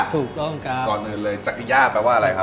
ถูกต้องครับก่อนอื่นเลยจักรยานแปลว่าอะไรครับ